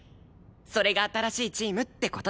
それが新しいチームって事で。